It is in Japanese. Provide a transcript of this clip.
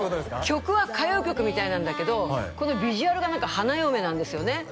曲は歌謡曲みたいなんだけどこのビジュアルが花嫁なんですよね